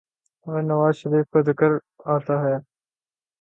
آج نواز شریف کا ذکر آتا ہے۔